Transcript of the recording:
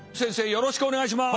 よろしくお願いします。